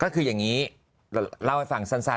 ก็คืออย่างนี้เล่าให้ฟังสั้น